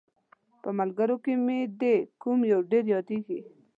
په ملګرو کې دې کوم یو ډېر یادیږي؟